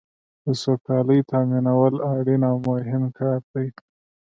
د سوکالۍ تامینول اړین او مهم کار دی.